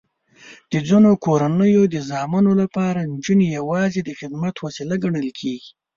د ځینو کورنیو د زامنو لپاره نجونې یواځې د خدمت وسیله ګڼل کېږي.